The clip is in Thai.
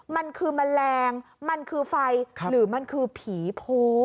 มันคือแมลงมันคือไฟหรือมันคือผีโพ